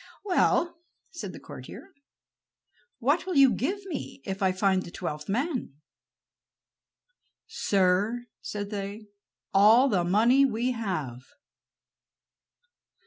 "Well," said the courtier, "what will you give me if I find the twelfth man?" "Sir," said they, "all the money we have."